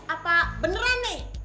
atau beneran nih